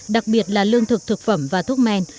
đặc biệt là lương thực thực phẩm và thuốc men